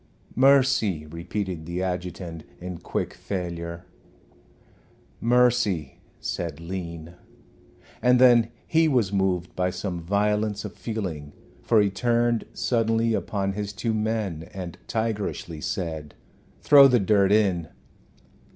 "Mercy," repeated the adjutant, in quick failure. "Mercy," said Lean. And then he was moved by some violence of feeling, for he turned suddenly upon his two men and tigerishly said, "Throw the dirt in."